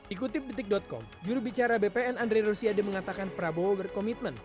ikuti detik com jurubicara bpm andri rosiade mengatakan prabowo berkomitmen